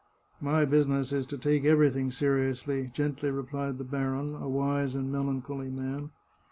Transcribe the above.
" My business is to take everything seriously," gently replied the baron, a wise and melancholy man.